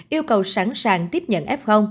yêu cầu sẵn sàng tiếp nhận f